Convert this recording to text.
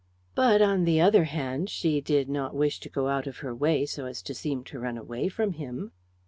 But, on the other hand, she did not wish to go out of her way so as to seem to run away from him.